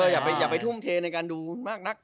อย่าไปทุ่มเทในการดูมากนัก